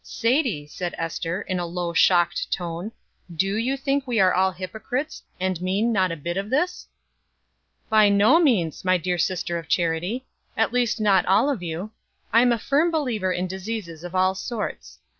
"Sadie," said Ester, in a low, shocked tone, "do you think we are all hypocrites, and mean not a bit of this?" "By no means, my dear sister of charity, at least not all of you. I'm a firm believer in diseases of all sorts.